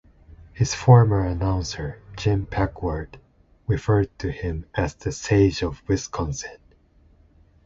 His former announcer, Jim Packard, referred to him as The Sage of Wisconsin.